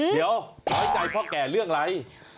เดี๋ยวน้อยใจพ่อแก่เรื่องอะไร